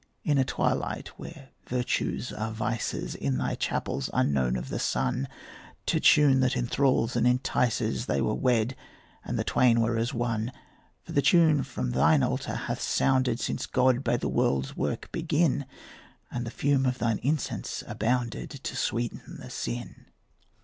In a twilight where virtues are vices, In thy chapels, unknown of the sun, To a tune that enthralls and entices, They were wed, and the twain were as one. For the tune from thine altar hath sounded Since God bade the world's work begin, And the fume of thine incense abounded, To sweeten the sin.